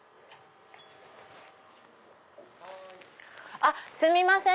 あっすみません。